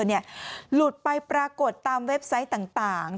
หลุดไปปรากฏตามเว็บไซต์ต่าง